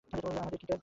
আমাদের কী কাজ?